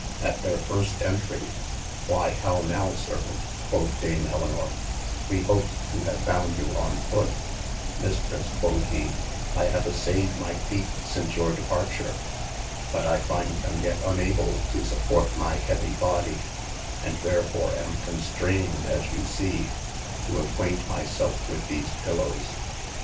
At their first entrie : Why how nowe servaunt (quod dame Elinor) wee hoped to have founde you [on] footer Mistresse quod he, I have assayed my feete since your departure, but I finde them yet unable too suport my heavy body, and therefore am con strayned as you see, to acquaint my selfe with these pillowes.